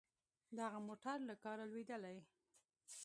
دغه موټر له کاره لوېدلی.